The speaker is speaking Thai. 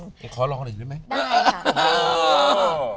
เดี๋ยวขอลองหน่อยได้ไหมได้ค่ะ